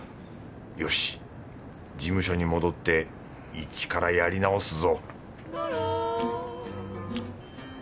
よし事務所に戻ってイチからやり直すぞ